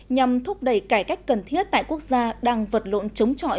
nhằm thúc đẩy cải cách cần thiết tại quốc gia đang vật lộn chống trọi